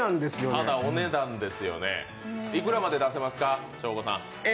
ただ、お値段ですよね、いくらまで出せますか？